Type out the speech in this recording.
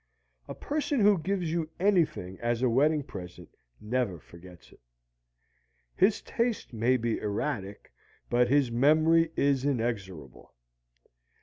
A person who gives you anything as a wedding present never forgets it. His taste may be erratic, but his memory is inexorable.